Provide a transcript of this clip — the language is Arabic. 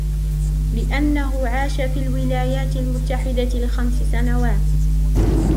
لأنهُ عاش في الولايات المتحدة لخمس سنوات.